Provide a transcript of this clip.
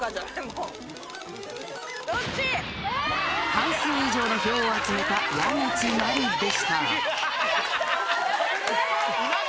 半数以上の票を集めた矢口真里でした。